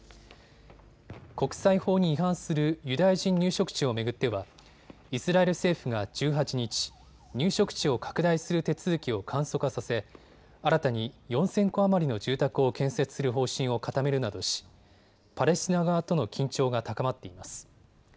国際法に違反するユダヤ人入植地を巡ってはイスラエル政府が１８日、入植地を拡大する手続きを簡素化させ新たに４０００戸余りの住宅を建設する方針を固めるなどし、パレスチナ側との緊張が高まっています。